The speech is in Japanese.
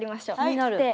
気になる。